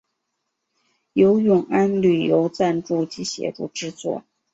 由永安旅游赞助及协助制作。